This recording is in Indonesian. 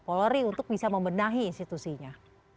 polri untuk bisa membenahi institusinya